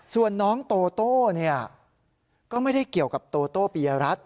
ส่วนน้องโตโต้ก็ไม่ได้เกี่ยวกับโตโต้ปียรัฐ